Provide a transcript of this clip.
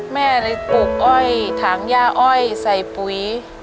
แม่เลยปลูกอ้อยถังย่าอ้อยใส่ปุ๋ย